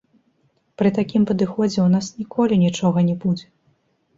Пры такім падыходзе ў нас ніколі нічога не будзе!